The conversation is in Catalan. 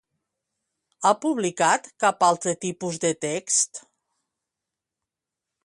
Ha publicat cap altre tipus de text?